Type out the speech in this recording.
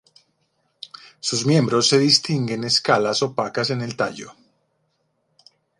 Sus miembros se distinguen escalas opacas en el tallo.